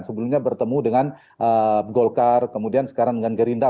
sebelumnya bertemu dengan golkar kemudian sekarang dengan gerindra